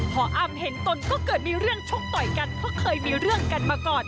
พออ้ำเห็นตนก็เกิดมีเรื่องชกต่อยกันเพราะเคยมีเรื่องกันมาก่อน